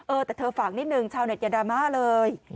เออแต่เธอฝากนิดนึงชาวเต็ดอย่าดราม่าเลย